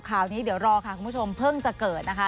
ข่าวนี้เดี๋ยวรอค่ะคุณผู้ชมเพิ่งจะเกิดนะคะ